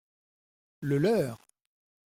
Le leur.